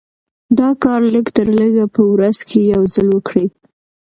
دا کار لږ تر لږه په ورځ کې يو ځل وکړئ.